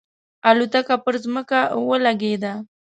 الوتکه پر ځمکه ولګېده.